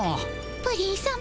プリンさま